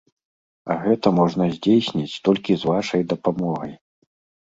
А гэта можна здзейсніць толькі з вашай дапамогай!